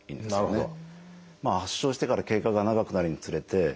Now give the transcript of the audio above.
なるほど。